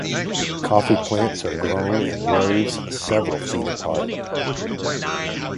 Coffea plants are grown in rows several feet apart.